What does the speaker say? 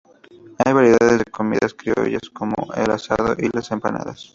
Hay variedades de comidas criollas como el asado o las empanadas.